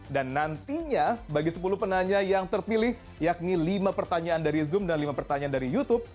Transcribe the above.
dan nantinya bagi sepuluh penanyaan yang terpilih yakni lima pertanyaan dari zoom dan lima pertanyaan dari youtube